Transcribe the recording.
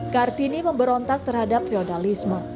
kartini memberontak terhadap feodalisme